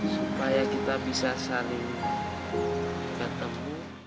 supaya kita bisa saling bertemu